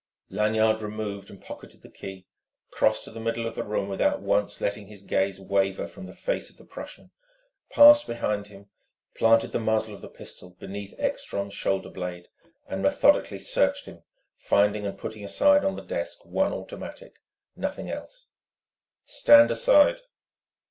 Lanyard removed and pocketed the key, crossed to the middle of the room without once letting his gaze waver from the face of the Prussian, passed behind him, planted the muzzle of the pistol beneath Ekstrom's shoulder blade, and methodically searched him, finding and putting aside on the desk one automatic, nothing else. "Stand aside!"